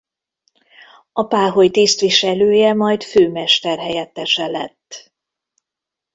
A páholy tisztviselője majd főmester-helyettese lett.